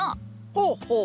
ほうほう。